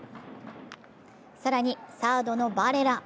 更に、サードのバレラ。